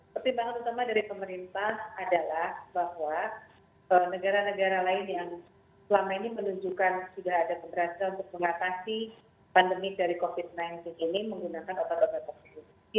pertimbangan utama dari pemerintah adalah bahwa negara negara lain yang selama ini menunjukkan sudah ada keberhasilan untuk mengatasi pandemi dari covid sembilan belas ini menggunakan obat obat tersebut